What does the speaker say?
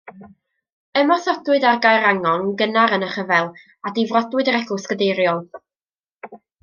Ymosodwyd ar Gaerwrangon yn gynnar yn y rhyfel a difrodwyd yr eglwys gadeiriol.